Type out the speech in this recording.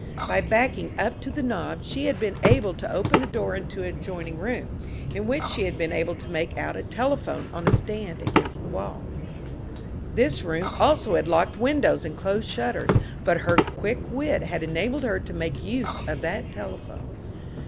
By backing up to the knob she had been able to open a door into an adjoining room, in which she had been able to make out a telephone on a stand against the wall. This room also had locked windows and closed shutters, but her quick wit had enabled her to make use of that telephone.